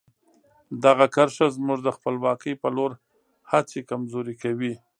دغه کرښه زموږ د خپلواکۍ په لور هڅې کمزوري کوي.